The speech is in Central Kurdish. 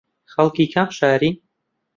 خەڵکی کام شاری